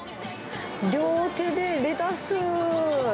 両手でレタス。